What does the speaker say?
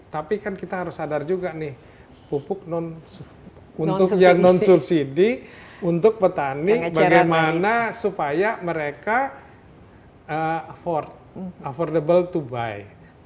tapi kan kita harus sadar juga nih pupuk non subsidi untuk petani bagaimana supaya mereka affordable to buy